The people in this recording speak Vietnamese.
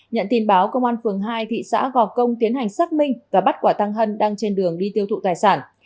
nhận tin báo công an phường hai thị xã gò công tiến hành xác minh và bắt quả tăng hân đang trên đường đi tiêu thụ tài sản